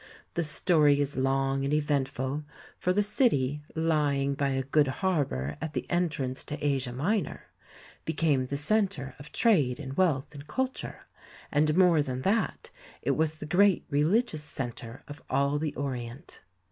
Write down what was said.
The story is long and eventful, for the city, lying by a good harbour at the entrance to Asia Minor, became the centre of trade and wealth and culture, and more than that, it was the great religious centre of all the Orient.